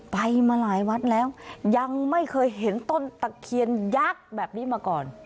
ไปมาหลายวัดแล้วยังไม่เคยเห็นต้นตะเคียนยักษ์แบบนี้มาก่อน